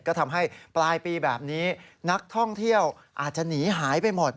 ก็ทำให้ปลายปีแบบนี้นักท่องเที่ยวอาจจะหนีหายไปหมด